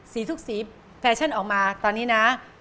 ทุกสีแฟชั่นออกมาตอนนี้นะ